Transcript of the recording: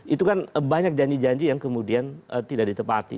itu kan banyak janji janji yang kemudian tidak ditepati